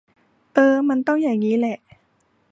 เออ มันต้องใหญ่งี้แหละ